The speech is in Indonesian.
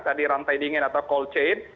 tadi rantai dingin atau cold chain